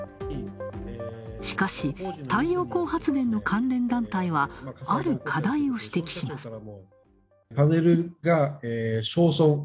しかし、太陽光発電の関連団体はある課題を指摘します。